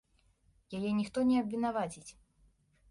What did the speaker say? Яе ніхто не абвінаваціць.